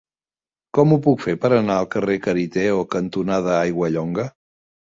Com ho puc fer per anar al carrer Cariteo cantonada Aiguallonga?